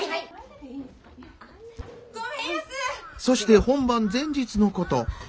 そして本番前日のこと。